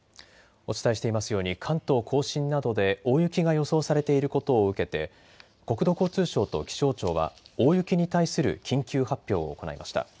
お伝えしていますように関東甲信などで大雪が予想されていることを受けて国土交通省と気象庁は大雪に対する緊急発表を行いました。